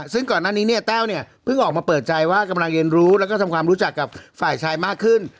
ซึ่งก่อนหน้านี้เนี่ยแต้วเนี่ยเพิ่งออกมาเปิดใจว่ากำลังเรียนรู้แล้วก็ทำความรู้จักกับฝ่ายชายมากขึ้น